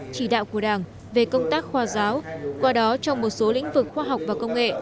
chỉ đạo của đảng về công tác khoa giáo qua đó trong một số lĩnh vực khoa học và công nghệ